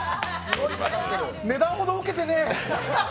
値段ほどウケてねえ。